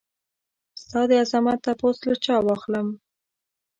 ستا دعظمت تپوس له چا واخلم؟